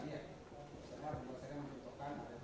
itu masuk terus